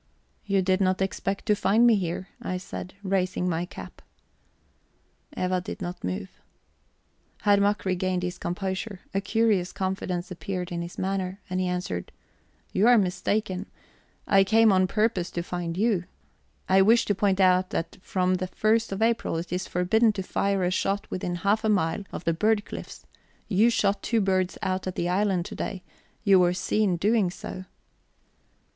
"You did not expect to find me here," I said, raising my cap. Eva did not move. Herr Mack regained his composure; a curious confidence appeared in his manner, and he answered: "You are mistaken: I came on purpose to find you. I wish to point out to you that from the 1st of April it is forbidden to fire a shot within half a mile of the bird cliffs. You shot two birds out at the island to day; you were seen doing so."